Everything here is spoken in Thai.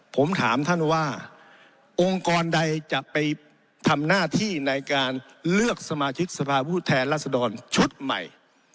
ผมถามท่านว่าองค์กรใดจะไปทำหน้าที่ในการเลือกสมาชิกสภาพผู้แทนรัศดรชุดใหม่